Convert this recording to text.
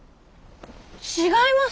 違います。